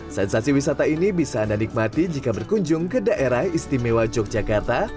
sensasi wisata ini bisa anda nikmati jika berkunjung ke daerah istimewa yogyakarta